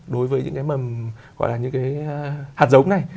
đối với những cái hạt giống này